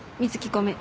ごめん